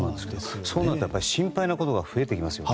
そうなると心配なことが増えていきますよね。